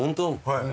はい。